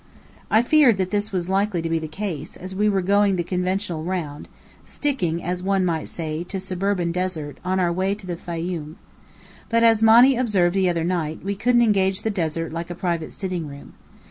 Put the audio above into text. I feared that this was likely to be the case, as we were going the conventional round, sticking as one might say to suburban desert, on our way to the Fayum. But, as Monny observed the other night, we couldn't engage the desert like a private sitting room.